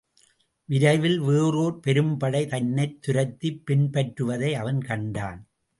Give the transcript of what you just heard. விரைவில் வேறோர் பெரும்படை தன்னைத் துரத்திப் பின்பற்றுவதை அவன் கண்டான்.